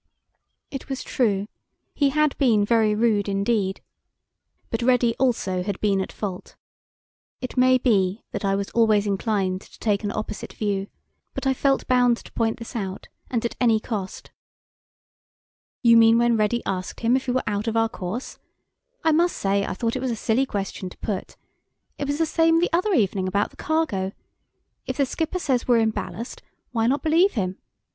It was true. He had been very rude indeed. But Ready also had been at fault. It may be that I was always inclined to take an opposite view, but I felt bound to point this out, and at any cost. "You mean when Ready asked him if we were out of our course? I must say I thought it was a silly question to put. It was the same the other evening about the cargo. If the skipper says we're in ballast why not believe him?